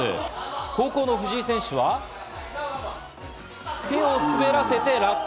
後攻の藤井選手は手を滑らせて落下。